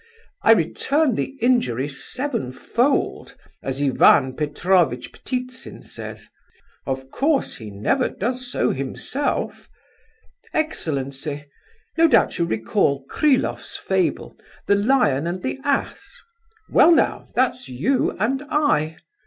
I return the injury sevenfold, as Ivan Petrovitch Ptitsin says. (Of course he never does so himself.) Excellency, no doubt you recollect Kryloff's fable, 'The Lion and the Ass'? Well now, that's you and I.